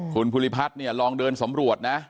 คุณภูริพัฒน์เนี่ยลองเดินสำรวจนะ